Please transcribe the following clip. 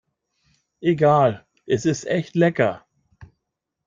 Egal, es ist echt lecker.